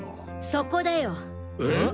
そこだよ！え？